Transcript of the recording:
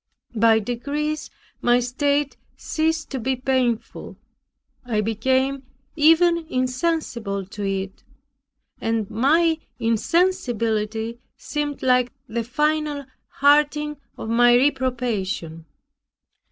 By degrees my state ceased to be painful. I became even insensible to it, and my insensibility seemed like the final hardening of my reprobation.